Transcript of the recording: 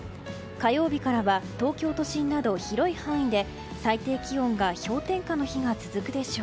火曜日からは東京都心など広い範囲で最低気温が氷点下の日が続くでしょう。